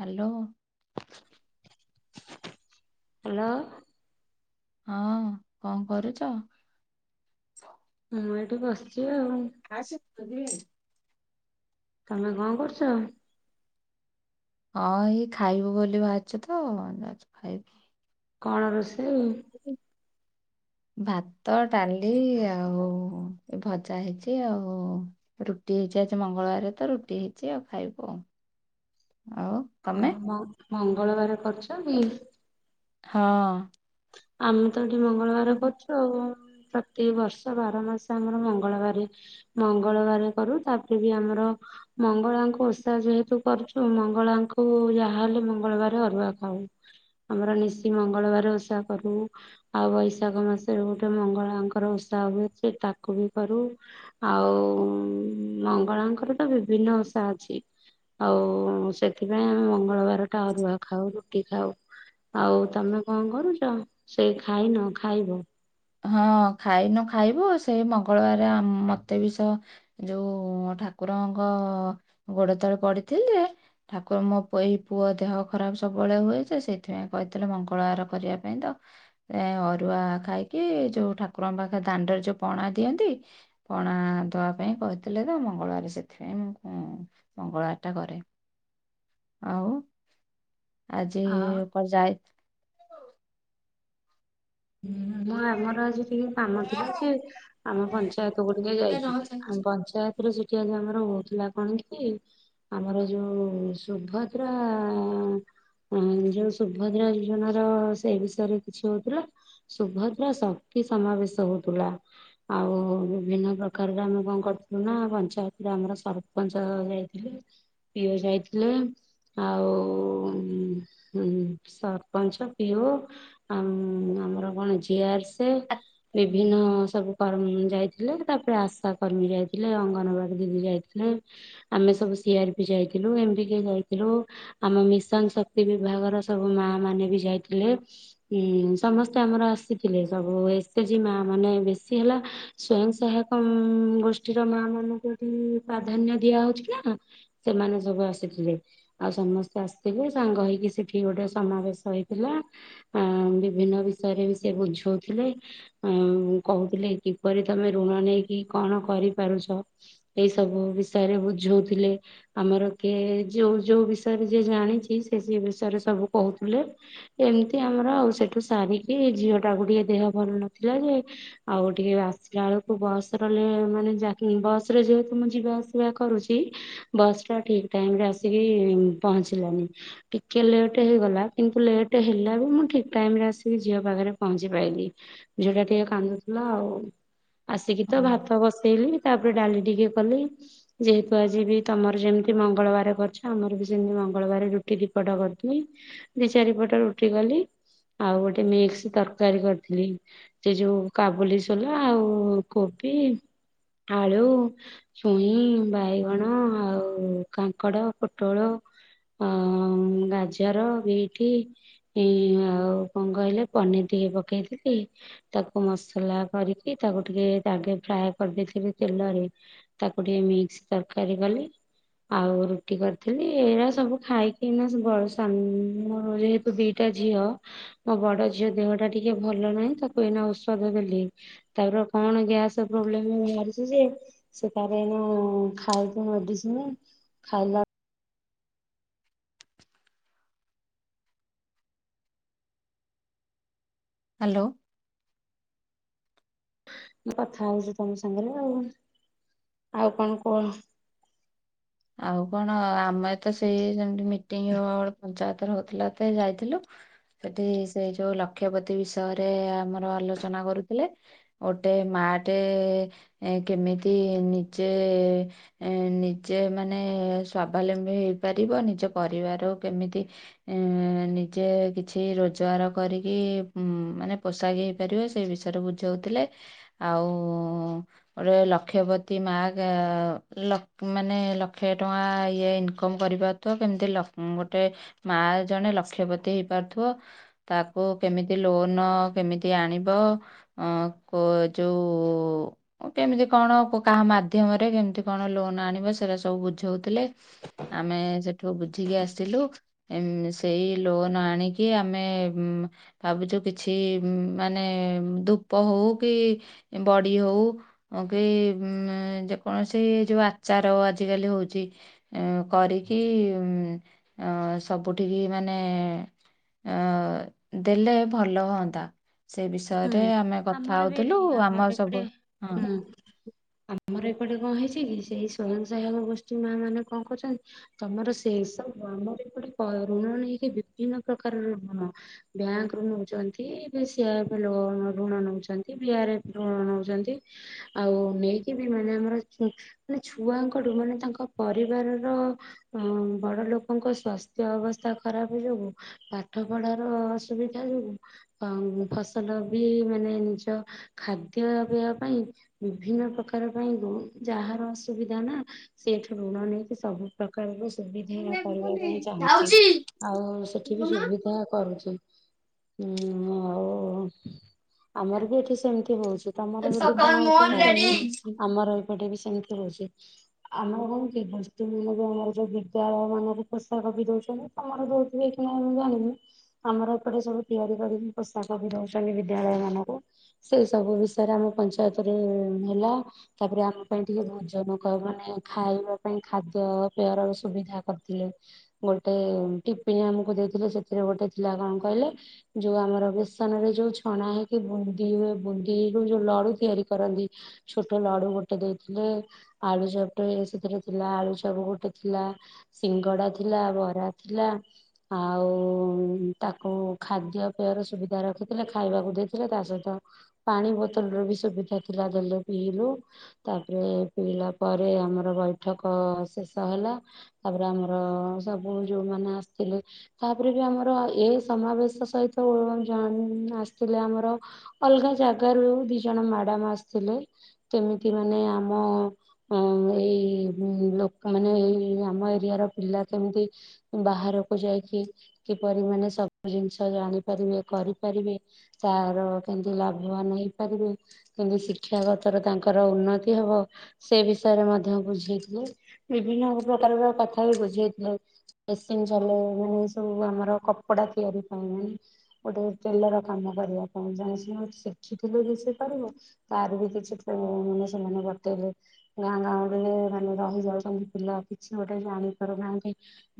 Hello. Hello. ହଁ କଣ କରୁଛ? [inaudible] ମୁଁ ଏଇଠି ବସିଛି। ହୁଁ। [unintelligible] ତମେ କଣ କରୁଛ? ହଁ ଏଇ ଖାଇବୁ ବୋଲି ଭାବିଛୁ ତ ଯାଉଛ ଖାଇବୁ। କଣ ରୋଷେଇ? ଭାତ ଡାଲି ଆଉ ଏ ଭଜା ହେଇଛି ଆଉ ରୁଟି ହେଇଛି। ଆଜି ମଙ୍ଗଳବାର ତ ରୁଟି ହେଇଛି ଆଉ ଖାଇବୁ ଆଉ। ଆଉ ହ ତମେ ହଁ। ମଙ୍ଗଳବାର କରୁଛ କି? ହଁ। ଆମ [unintelligible] ମଙ୍ଗଳବାର କରୁଛୁ ଆଉ। ପ୍ରତିବର୍ଷ ବାର ମାସ ଆମର ମଙ୍ଗଳବାର ମଙ୍ଗଳବାର କରୁ ତାପରେ ବି ଆମର ମଙ୍ଗଳାଙ୍କୁ ଓଷା ଯେହେତୁ କରୁଛୁ, ମଙ୍ଗଳାଙ୍କୁ ଯାହାହଲେ ମଙ୍ଗଳବାର ଅରୁଆ ଖାଉ ଆମର ନିଶି ମଙ୍ଗଳବାର ଓଷା କରୁ ଆଉ ବୈଶାଖ ମାସରେ ଗୋଟେ ମଙ୍ଗଳାଙ୍କର ଓଷା ହୁଏ ସେ ତାକୁ ବି କରୁ, ଆଉ ମଙ୍ଗଳାଙ୍କର ତ ବିଭିନ୍ନ ଓଷା ଅଛି ଆଉ ସେଥିପାଇଁ ଆମେ ମଙ୍ଗଳବାର ଟା ଅରୁଆ ଖାଉ, ରୁଟି ଖାଉ, ଆଉ ତମେ କଣ କରୁଛ? ସେଇ ଖାଇନ ଖାଇବ। ହଁ ଖାଇନୁ ଖାଇବୁ, ସେଇ ମଙ୍ଗଳବାର ମତେ ବି ସ ଯୋଉ ଠାକୁରଙ୍କ ଗୋଡ ତଳେ ପଡିଥିଲି ଯେ, ଠାକୁର ମୋ ଏଇ ପୁଅ ଦେହ ଖରାପ ସବୁବେଳେ ହୁଏ ସେ ସେଇଥିପାଇଁ କହିଥିଲେ, ମଙ୍ଗଳବାର କରିବା ପାଇଁ ତ ଅରୁଆ ଖାଇ କି ଯୋଉ ଠାକୁରଙ୍କ ପାଖରେ ଦାଣ୍ଡରେ ଯୋଉ ପଣା ଦିଅନ୍ତି ପଣା ଦବା ପାଇଁ କହିଥିଲେ ତ ମଙ୍ଗଳବାର ସେଥିପାଇଁ ମୁଁ ମଙ୍ଗଳବାର ଟା କରେ। ଆଉ ଆଜି ଆଉ ଉପରେ ଯାଇ ହଁଁ ଆମର ଆଜି କାମ ଥିଲା ସେ ଆମ ପଞ୍ଚା ପଞ୍ଚାୟତ ଗୁଡିକ ଯାଇଯିବେ ଆମ ପଞ୍ଚାୟତ ସେଠି ଆଜି ଆମର ହଉଥିଲା କଣ କି ଆମର ଯୋଉ ସୁଭଦ୍ରା ଯୋଉ ସୁଭଦ୍ରା ଯୋଜନାର ସେଇ ବିଷୟରେ କିଛି ହଉଥିଲା। ସୁଭଦ୍ରା ଶକ୍ତି ସମାବେଶ ହଉଥିଲା ଆଉ ବିଭିନ୍ନ ପ୍ରକାରରେ ଆମେ କଣ କରଥିଲୁ ନା ପଞ୍ଚାୟତରେ ଆମର ସରପଞ୍ଚ ଯାଇଥିଲେ ପିଓ ଯାଇଥିଲେ ଆଉ ସରପଞ୍ଚ ପିଓ ଆମ୍ ଆମର କଣ ଜି ଆର ସେ ବିଭିନ୍ନ ସବୁ କର୍ମ ଯାଇଥିଲେ, ତାପରେ ଆଶା କର୍ମୀ ଯାଇଥିଲେ, ଅଙ୍ଗନବାଡ଼ି ଦିଦି ଯାଇଥିଲେ, ଆମେ ସବୁ ସି ଆର ପି ଯାଇଥିଲୁ ଏମ ବି କେ ଯାଇଥିଲୁ, ଆମ ମିଶନ ଶକ୍ତି ବିଭାଗର ସବୁ ମାଆ ମାନେ ବି ଯାଇଥିଲେ। ସମସ୍ତେ ଆମର ଆସିଥିଲେ, ସବୁ ଏ ସି ଜି ମାଆ ମାନେ ବେଶୀ ହେଲା ସ୍ଵୟଂ ସହାୟକ ଗୋଷ୍ଠୀର ମା ମାନଙ୍କୁ ଏଠି ପ୍ରାଧାନ୍ୟ ଦିଆ ହଉଛି ନା ସେମାନେ ସବୁ ଆସିଥିଲେ, ଆଉ ସମସ୍ତେ ଆସିଥିଲେ ସାଙ୍ଗ ହେଇକି ସେଠି ଗୋଟେ ସମାବେଶ ହେଇଥିଲା ମିଶ ବିଭିନ୍ନ ବିଷୟରେ ବି ସେ ବୁଝଉଥିଲେ, କହୁଥିଲେ କିପରି ତମେ ଋଣ ନେଇକି କଣ କରିପାରୁଛ, ଏଇ ସବୁ ବିଷୟରେ ବୁଝଉଥିଲେ, ଆମର କିଏ ଯୋଉ ଯୋଉ ବିଷୟରେ ଯି ଜାଣିଛି ସେ ସେ ବିଷୟରେ ସବୁ କହୁଥିଲେ, ଏମିତି ଆମର ଆଉ ସେ ଠୁ ସାରିକି ଝିଅଟାକୁ ଟିକେ ଦେହ ଭଲ ନଥିଲା ଯେ, ଆଉ ଟିକେ ଆସିଲା ବେଳକୁ ବସର ମାନେ ବସ ରେ ଯେହେତୁ ମୁଁ ଯିବା ଆସିବା କରୁଛି, ବସ୍ ଟା ଠିକ ଟାଇମ ରେ ଆସିକି ପହଞ୍ଚିଲାନି, ଟିକେ ଲେଟ୍ ହେଇଗଲା, କିନ୍ତୁ ଲେଟ୍ ହେଲା ବି ମୁଁ ଠିକ ଟାଇମରେ ଆସିକି ଝିଅ ପାଖରେ ପହଞ୍ଚି ପାଇଲି, ଝିଅଟା ଟିକେ କାନ୍ଦୁଥିଲା ଆଉ। ଆସିକି ତ ଭାତ ହ୍ୟାଲୋ ବସେଇଲି ତାପରେ ଡାଲି ଟିକେ କଲି ଯେହେତୁ ଆଜି ବି ତମର ଯେମତି ମଙ୍ଗଳବାର କରିଛ ଆମର ବି ସେମିତି ମଙ୍ଗଳବାର ରୁଟି ଦି ପଟ କରିଦିଏ, ଦି ଚାରିପଟ ରୁଟି କଲି ଆଉ ଗୋଟେ ମିକ୍ସ ତରକାରୀ କରିଥିଲି, ସେ ଯୋଉ କାବୁଲି ସୋଲା ଆଉ କୋବି, ଆଳୁ, ଛୁଇଁ, ବାଇଗଣ ଆଉ କାଙ୍କଡ଼, ପୋଟଳ ଆଁ ଗାଜର, ବିଟ ଏଇ ଆଉ କଣ କହିଲ ପନିର ଟିକେ ପକେଇଥିଲି, ତାକୁ ମସଲା କରିକି ତାକୁ ଟିକେ ଆଗେ ଫ୍ରାଏ କରିଦେଇଥିଲି, ତେଲରେ ତାକୁ ଟିକେ ମିକ୍ସ ତରକାରୀ କଲି ଆଉ ରୁଟି କରିଥିଲି, ଏଇଆ ସବୁ ଖାଇକିନା ବଡ ସାନ ଯେହତୁ ଦି ଟା ଝିଅ ମୋ ବଡ ଝିଅ ଦେହ ଟା ଟିକେ ଭଲ ନାହିଁ, ତାକୁ ଏଇନା ଔଷଧ ଦେଲି ତାର କଣ ଗ୍ୟାସ ପ୍ରୋବ୍ଲେମ ବାହାରିଛି ଯେ, ସେ ତାର ଏଇନା ଖାଇଛି ମେଡିସିନ ଖାଇଲା ହ୍ୟାଲୋ। ମୁଁ କଥା ହଉଛି ତମ ସାଙ୍ଗରେ ଆଉ। ଆଉ କଣ କୁହ? ଆଉ କଣ ଆମେ ତ ସେଇ ଯେମିତି ମିଟିଙ୍ଗ ପଞ୍ଚାୟତରେ ହଉଥିଲା ତ ଯାଇଥିଲୁ। ସେଠି ସେଇ ଯୋଉ ଲକ୍ଷପତି ବିଷୟରେ ଆମର ଆଲୋଚନା କରୁଥିଲେ। ଗୋଟେ ମା ଟେ କେମିତି ନିଜେ ନିଜେ ନିଜେ ମାନେ ସ୍ୱାଭାଲମ୍ବି ହେଇପାରିବ ନିଜ ପରିବାରକୁ କେମିତି ଉଁ ନିଜେ କିଛି ରୋଜଗାର କରିକି ମାନେ ପୋଷା ଯାଇପାରିବ ସେଇ ବିଷୟରେ ବୁଝାଉଥିଲେ, ଆଉ ଗୋଟେ ଲକ୍ଷବତୀ ମା କା ଲ ମାନେ ଲକ୍ଷେ ଟଙ୍କା ଇଏ ଇନକମ କରିପାରୁଥିବ, କେମିତି ଗୋଟେ ମା ଜଣେ ଲକ୍ଷପତୀ ହେଇପାରୁଥିବ, ତାକୁ କେମିତି ଲୋନ କେମିତି ଆଣିବ, ଯଉ କେମିତି କଣ କାହା ମାଧ୍ୟମରେ କେମିତି କଣ ଲୋନ ଆଣି ସେଗୁଡା ସବୁ ବୁଝାଉଥିଲେ ଆମେ ସେଠୁ ବୁଝିକି ଆସିଲୁ, ସେଇ ଲୋନ ଆଣିକି ଆମେ ଭାବୁଛୁ କିଛି ମାନେ ଧୂପ ହଉ କି ବଡି ହଉ କି ଯେକୌଣସି ଯୋଉ ଆ ଆଚାର ଆଜିକାଲି ହଉଛି କରିକି ସବୁଠିକି ମାନେ ଅ ଦେଲେ ଭଲ ହୁଅନ୍ତା। ସେ ହୁଁ। ବିଷୟରେ ଆମେ କଥା ଆମର ବି ହଉଥିଲୁ ଏଠି ଆମର ଆମ ଏପଟେ ସବୁ ହଁ। ହୁଁ ଆମର ଏପଟେ କଣ ହେଇଛି କି, ସେଇ ସ୍ଵୟଂ ସହାୟକ ଗୋଷ୍ଠୀ ମା ମାନେ କଣ କରୁଛନ୍ତି ତମର ସେ ସବୁ ଆମର ଏପଟେ ଋଣ ନେଇକି ବିଭିନ୍ନ ପ୍ରକାରର ଋଣ ବ୍ୟାଙ୍କରୁୁ ନଉଛନ୍ତି ଏବେ ସି ଲୋନ୍ ଋଣ ନଉଛନ୍ତି ବିଆରଏଫ ଋଣ ନଉଛନ୍ତି, ଆଉ ନେଇକି ବି ମାନେ ଆମର ମାନେ ଛୁଆଙ୍କଠୁ ମାନେ ତାଙ୍କ ପରିବାରର ବଡ ଲୋକଙ୍କ ସ୍ୱାସ୍ଥ୍ୟ ଅବସ୍ଥା ଖରାପ ଯୋଗୁ ପାଠ ପଢାର ଅସୁବିଧା ଯୋଗୁ ଆ ଫସଲ ବି ମାନେ ନିଜ ଖାଦ୍ୟପେୟ ପାଇଁ ବିଭିନ୍ନ ପ୍ରକାର ପାଇଁ ଯାହାର ଅସୁବିଧା ନା ସେଠୁ ଋଣ ନେଇକି ସବୁ ପ୍ରକାର ପ୍ରକାରର ସୁବିଧା କରିବା ପାଇଁ ଚାହୁଁଛି, ଯାଉଛି ଆଉ ସେଠି ବି ସୁବିଧା କରୁଛି। ହୁଁ ହଉ। ହ [unintelligible] ଆମର ବି ଏଠି ସେମିତି ହଉଛି ତମର ଯଦି କଣ ସକାଳ ହଉଛି ମୋର ମୁଁ ଜାଣିନି, ରେଡି ଆମର ଏପଟେ ବି ସେମତି [unintelligible] ଆମର କଣ ଗୋଷ୍ଠୀ ବିଭାଗ ଯଉ ଠିକ୍ ଅଛି ବିଦ୍ୟାଳୟ ମାନଙ୍କରେ ପୋଷାକ ବିି ଦଉଛନ୍ତି ତମର ଦଉଥିବ କି ମୁଁ ଜାଣିନି ଆମର ଏପଟେ ସବୁ ତିଆରି କରିକି ପୋଷାକ ବି ଦଉଛନ୍ତି। ଦଉଛନ୍ତି ବିଦ୍ୟାଳୟ ମାନଙ୍କୁ ସେ ସବୁ ବିଷୟରେ ଆମ ପଞ୍ଚାୟତରେ ହେଲା ତାପରେ ଆମ ପାଇଁ ଟିକେ ଭୋଜନ ମାନେ ଖାଇବା ପାଇଁ ଖାଦ୍ୟପେୟର ସୁବିଧା କରିଥିଲେ ଗୋଟେ ଟିପନ୍ ଆମକୁ ଦେଇଥିଲେ ସେଥିରେ ଗୋଟେ ଥିଲା କଣ କହିଲେ ଯୋଉ ଆମର ବେସନ ରେ ଯୋଉ ଯୋଉ ଛଣା ହେଇକି ବୁନ୍ଦି ହୁଏ ବୁନ୍ଦିରୁୁ ଯୋଉ ଲଡୁ ତିଆରି କରନ୍ତି ଛୋଟ ଲଡୁ ଗୋଟେ ଦେଇଥିଲେ ଆଳୁଚପ ଟେ ସେଥିରେ ଥିଲା ଆଳୁଚପ ଗୋଟେ ଥିଲା ସିଙ୍ଗଡା ଥିଲା, ବରା ଥିଲା ଆଉ ତାକୁ ଖାଦ୍ୟ ପେୟର ସୁବିଧା ରଖି ଥିଲେ ଖାଇବାକୁ ଦେଇଥିଲେ ତା ସହିତ ପାଣି ବୋତଲ ର ବି ସୁବିଧା ଥିଲା ଦେଲେ ପିଇିଲୁ ତାପରେ ପିଇଲା ପରେ ଆମର ବୈଠକ ଶେଷ ହେଲା ତାପରେ ଆମର ସବୁ ଯୋଉମାନେ ଆସିଥିଲେ ତାପରେ ବି ଆମର ଏ ସମାବେଶ ସହିତ ଜଣ ଆସିଥିଲେ ଆମର ଅଲଗା ଜାଗାରୁ ଦି ଜଣ ମ୍ୟାଡାମ ଆସିଥିଲେ କେମିତି ମାନେ ଆମ ଏଇ ଲୋକମାନେ ଏଇ ଆମ ଏରିଆ ର ପିଲା କେମିତି ବାହାରକୁ ଯାଇକି କିପରି ମାନେ ସବୁ ଜିନିଷ ଜାଣିପାରିବେ କରି ପାରିବେ ତାର କେମତି ଲାଭବାନ ହେଇପାରିବେ କେମତି ଶିକ୍ଷାଗତର ତାଙ୍କର ଉନ୍ନତି ହବ ସେ ବିଷୟରେ ମଧ୍ୟ ବୁଝେଇଥିଲେ ବିଭିନ୍ନ ପ୍ରକାରର କଥା ବି ବୁଝେଇଥିଲେ ମେସିନ ଚଲେଇବା ଏହି ସବୁ ଆମର କପଡା ତିଆରି ପାଇଁ ମାନେ ଗୋଟେ ଟେଲର କାମ କରିବା ପାଇଁ ଜଣେ ସିନା ଶିଖିଥିଲେ ସେ ପାରିବ ତାର ବି କିଛି ମାନେ ସେମାନେ ବତେଇଲେ ଗାଁ ଗାଁ ରେ ମାନେ ରହି ଯାଉଛନ୍ତି ପିଲା କିଛି ଗୋଟେ ଜାଣିପାରୁନାହାନ୍ତି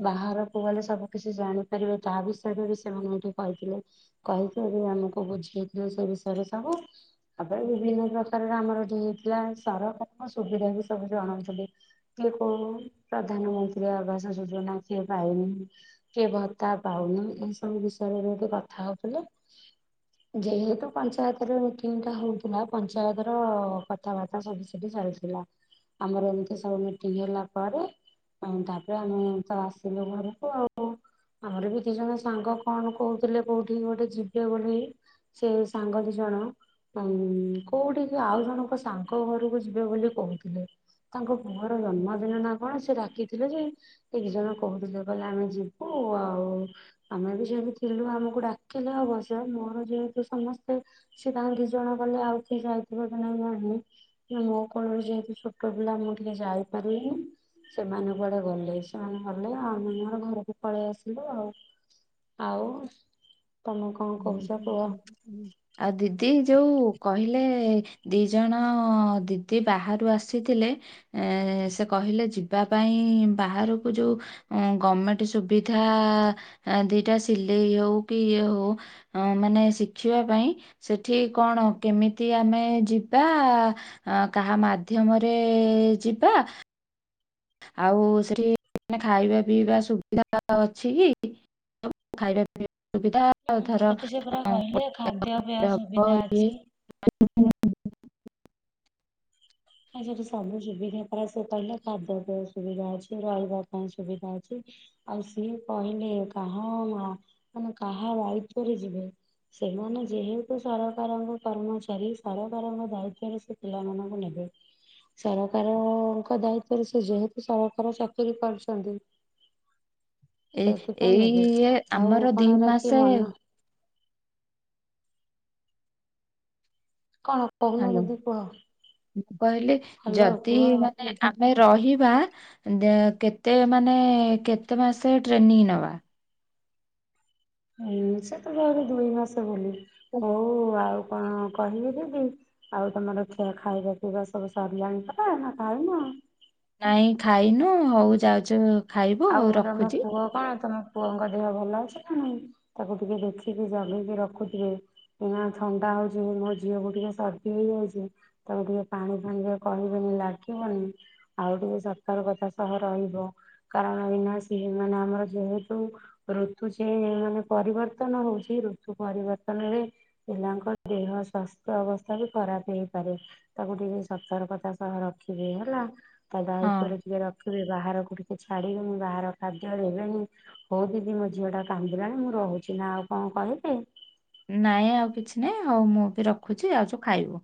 ବାହାରକୁ ଗଲେ ସବୁ କିଛି ଜାଣିପାରିବେ ତା ବିଷୟରେ ବି ସେମାନେ ଏଇଠି କହିଥିଲେ। କହିକ ବି ଆମକୁ ବୁଝେଇଥିଲେ ସେ ବିଷୟରେ ସବୁ ତାପରେ ବିଭିନ୍ନ ପ୍ରକାରର ଆମର ଗୋଟେ ହେଇଥିଲା ସରକାରଙ୍କ ସୁବିଧା ବି ସବୁ ଜଣାଉଛନ୍ତି କିଏ କୋଉ ପ୍ରଧାନମନ୍ତ୍ରୀ ଆବାସ ଯୋଜନା କିଏ ପାଇନି କିଏ ଭତ୍ତା ପାଉନି ଏଇ ସବୁ ବିଷୟରେେ କଥା ହଉ ଥିଲେ ଯେହେତୁ ପଞ୍ଚାୟତରେ ମିଟିଂ ଟା ହଉଥିଲା ପଞ୍ଚାୟତ ର କଥାବାର୍ତ୍ତା ସବୁ ସେଠି ଚାଲିଥିଲା ଆମର ଏମିତି ସବୁ ମିଟିଙ୍ଗ ହେଲା ପରେ ତାପରେ ଆମେ ତ ଆସିଲୁ ଘରକୁ ଆଉ ଆମର ବି ଦି ଜଣ ସାଙ୍ଗ କଣ କହୁଥିଲେ କଉ ଠି ଗୋଟେ ଯିବେ ବୋଲି ସେ ସାଙ୍ଗ ଦି ଜଣ ଉ କୋଉଠି କି ଆଉ ଜଣଙ୍କ ସାଙ୍ଗ ଘରକୁ ଯିବେ ବୋଲି କହୁଥିଲେ ତାଙ୍କ ପୁଅର ଜନ୍ମଦିନ ନା କଣ ସେ ଡାକିଥିଲେ ଯେ ଏ ଦି ଜଣ କହୁଥିଲେ କହିଲେ ଆମେ ଯିବୁ ଆଉ ଆମେ ବି ଯେହେତୁ ଥିଲୁ ଆମକୁ ଡା ଡାକିଲେ ଅବଶ୍ୟ ମୋର ଯେହେତୁ ସମସ୍ତେ ସେ ତାଙ୍କ ଦି ଜଣ ଗଲେ ଆଉ କେହି ଯାଇଥିବ କି ନାଇ ନାହିଁ ନା ମୋ କୋଳରେ ଯେହେତୁ ଛୋଟ ପିଲା ମୁଁ ଟିକେ ଯାଇପାରୁନି ସେ ମାନେ କୁଆଡେ ଗଲେ ସେମାନେ ଗଲେ ଆଉ ଆମେ ମୋର ଘରକୁ ପଳେଇ ଆସିଲୁ ଆଉ। ତମେ କଣ କହୁଛ କୁହ? ଆଉ ଦିଦି ଯୋଉ କହିଲେ ଦି ଜଣ ଦିଦି ବାହାରୁ ଆସିଥିଲେ ଏ ସେ କହିଲେ ଯିବା ପାଇଁ ବାହାରକୁ ଯୋଉ ଗମେଣ୍ଟ ସୁବିଧା ଦିଟା ସିଲେଇ ହଉ କି ଇଏ ହଉ। ମାନେ ଶିଖିବା ପାଇଁ ସେଠି କଣ କେମିତି ଆମେ ଯିବା କାହା ମାଧ୍ୟମରେ ଯିବା। ଆଉ ସେଠି ଖାଇବା ପିଇବା ସୁବିଧା ଅଛି କି ଖାଇବା ପିଇବା ସୁବିଧା ହୁଁ ଧର ସେଠି ସେ ପରା କହିଲେ ଖାଦ୍ୟ ପେୟ ବ ସୁବିଧା ଇଏ ଅଛି ହଁ। ଆ ସେଠି ସବୁ ସୁବିଧା ପ୍ରାୟ ସେ କହିଲେ ଖାଦ୍ୟ ସୁବିଧା ଅଛି ରହିବା ପାଇଁ ସୁବିଧା ଅଛି ଆଉ ସିଏ କହିଲେ କାହା ମା ମାନେ କାହା ଦାୟିତ୍ୱରେ ଯିବେ ସେମାନେ ଯେହେତୁ ସରକାରଙ୍କ କର୍ମଚାରୀ ସରକାରଙ୍କ ଦାୟିତ୍ଵରେ ସେ ପିଲାମାନଙ୍କୁ ନେବେ। ସରକାରଙ୍କ ଦାୟିତ୍ଵରେ ସେ ଯେହେତୁ ସରକାର ଚାକିରି କରୁଛନ୍ତି। ଏ ଏଇ ଆମର କଣ ଦି ଏରା କି ମାସ ମନ କଣ କହୁନ ହ୍ୟାଲୋ ଦିଦି କୁହ? ମୁଁ କହିଲି ହ୍ୟାଲୋ ଯଦି କୁହ। ମାନେ ଆମେ ରହି ଏ ଦ କେତେ ମାନେ କେତେ ମାସ ଟ୍ରେନିଙ୍ଗ ନବା। ହୁଁ ସେ ତ କହିଲେ ଦୁଇ ମାସ ବୋଲି। ହଉ ଆଉ କଣ କହିବି ଯେ ଆଉ ତମର ଖେ ଖାଇବା ପିଇବା ସବୁ ସରିିଲଆଣି ପ ନା ଖାଇନ। ନାଇଁ ଖାଇନୁ ହଉ ଯାଉଛୁ। ଖାଇବୁ ହଉ ଆଉ ତମ ରଖୁଛି। ପୁଅ କଣ ତମ ପୁଅଙ୍କ ଦେହ ଭଲ ଅଛି ନା ନାଇଁ ତାକୁ ଟିକେ ଦେଖିକି ଜଗିକି ରଖୁଥିବେ ଏ ଥଣ୍ଡା ହଉଛି ମୋ ଝିଅକୁ ଟିକେ ସର୍ଦି ହେଇଯାଇଛି ତାକୁ ଟିକେ ପାଣି ଫାଣିରେ କହିବେନି ଲାଗିବନି ଆଉ ଟିକେ ସତର୍କତା ର ସହ ରହିବ। କାରଣ ଏଇନା ସେ ହେଇଯିବ ନା ଆମର ଯେହେତୁ ଋତୁ ଚେ ମାନେ ପରିବର୍ତ୍ତନ ହଉଛି ଋତୁ ପରିବର୍ତନରେ ପିଲାଙ୍କ ଦେହ ସ୍ୱାସ୍ଥ୍ୟ ଅବସ୍ଥା ବି ଖରାପ ହେଇପାରେ ତାକୁ ଟିକେ ସତର୍କତା ସହ ରଖିବେ ହେଲା। ତା ହଁ ଦାୟୀତ୍ୱ ର ସହ ଟିକେ ରଖିବେ ବାହାରକୁ ଟିକ ଛାଡିକି ମୁଁ ବାହାର ଖାଦ୍ୟ ଦେବେନି ହଉ ଦିଦି ମୋ ଝିଅ ଟା କାନ୍ଦିଲାଣି ମୁଁ ରହୁଛି ନା ଆଉ କଣ କହିବେ? ନାଇଁ ଆଉ କିଛି ନାଇଁ ହଉ ମୁଁ ବି ରଖୁଛି ଆଉ ଯାଉଛୁ ଖାଇବୁ।